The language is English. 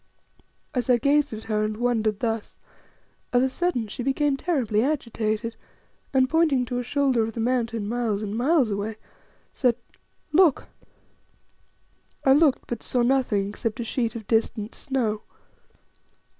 As I gazed at her and wondered thus, of a sudden she became terribly agitated, and, pointing to a shoulder of the Mountain miles and miles away, said "Look!" I looked, but saw nothing except a sheet of distant snow.